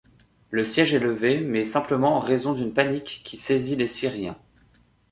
Le siège est levé, mais simplement en raison d'une panique qui saisit les Syriens.